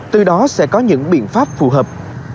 từ đó sẽ có những biện pháp phù hợp